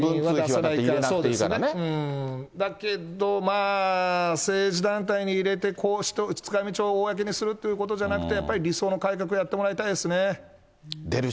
だけど、まあ、政治団体に入れて、公式の使いみちを公にするってことじゃなくて、やっぱり理想の改革やってもらいたいですね。